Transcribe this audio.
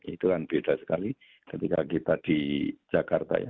itu kan beda sekali ketika kita di jakarta ya